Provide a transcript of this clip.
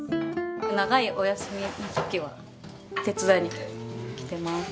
長いお休みの時は手伝いに来てます。